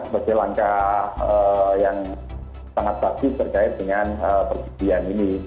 bagi langkah yang sangat bagus terkait dengan perjudian ini